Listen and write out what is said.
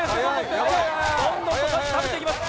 どんどんと食べていきます。